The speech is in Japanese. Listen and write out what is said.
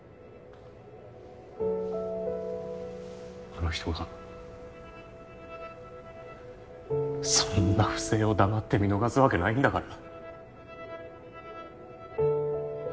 あの人がそんな不正を黙って見逃すわけないんだから。